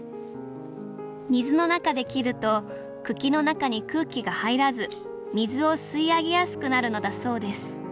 水の中で切ると茎の中に空気が入らず水を吸い上げやすくなるのだそうです。